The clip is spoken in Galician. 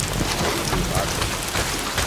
Xulgados.